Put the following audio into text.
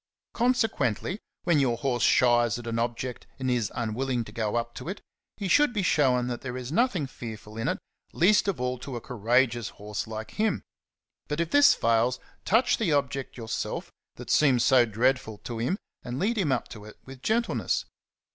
Consequently, when your horse shies at an object and is unwilling to go up to it, he should be shown that there is nothing fearful in it, least of all to a coura geous horse like him ;^^ but if this fails, touch the object yourself that seems so dreadful to him, and lead him up to it with gentleness.